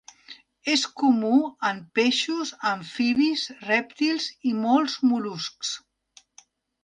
És comú en peixos, amfibis, rèptils i molts mol·luscs.